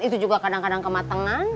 itu juga kadang kadang kematangan